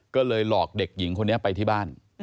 ก็เลยหลอกเด็กหญิงคนนี้ไปที่บ้าน